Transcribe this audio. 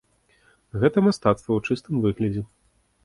Гэта мастацтва ў чыстым выглядзе.